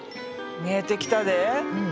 見えてきたで。